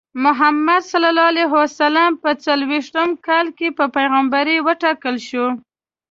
محمد ص په څلوېښت کلنۍ کې په پیغمبرۍ وټاکل شو.